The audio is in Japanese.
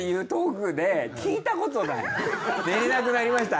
寝られなくなりました。